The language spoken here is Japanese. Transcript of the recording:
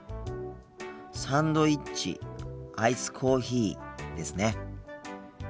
「サンドイッチ」「アイスコーヒー」ですね。